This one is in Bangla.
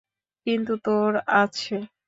কিন্তু তোর আছে।